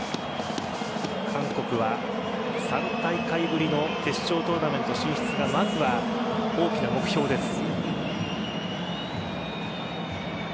韓国は３大会ぶりの決勝トーナメント進出がまずは大きな目標です。